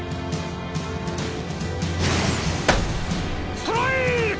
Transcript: ストライク！